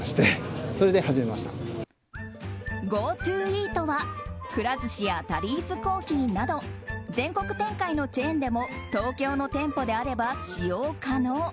ＧｏＴｏイートはくら寿司やタリーズコーヒーなど全国展開のチェーンでも東京の店舗であれば使用可能。